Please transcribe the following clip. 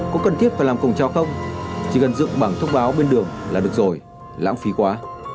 có cần thiết phải làm cổng treo không chỉ cần dựng bảng thông báo bên đường là được rồi lãng phí quá